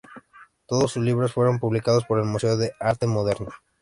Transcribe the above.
Todos sus libros fueron publicados por el Museo de Arte Moderno.